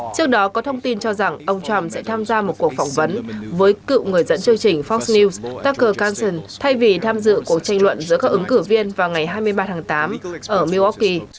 trước đó có thông tin cho rằng ông trump sẽ tham gia một cuộc phỏng vấn với cựu người dẫn chơi trình fox news tucker carlson thay vì tham dự cuộc tranh luận giữa các ứng cử viên vào ngày hai mươi ba tháng tám ở milwaukee